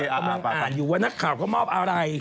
อ่านอยู่ว่านักข่าวก็มอบอะไร